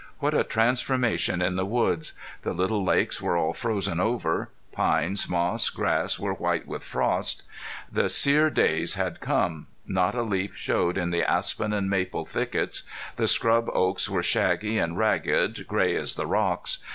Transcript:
What a transformation in the woods! The little lakes were all frozen over; pines, moss, grass were white with frost. The sear days had come. Not a leaf showed in the aspen and maple thickets. The scrub oaks were shaggy and ragged, gray as the rocks.